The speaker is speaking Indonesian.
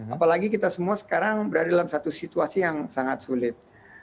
apalagi kita semua sekarang berada dalam satu situasi yang sangat sulit